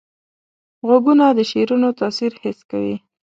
غوږونه د شعرونو تاثیر حس کوي